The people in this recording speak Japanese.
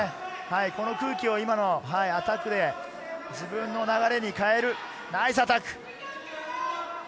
この空気を今のアタックで自分の流れに変えるナイスアタック。